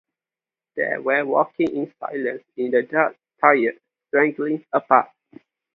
They were walking in silence in the dark, tired, straggling apart.